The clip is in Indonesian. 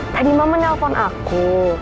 tadi mama nelfon aku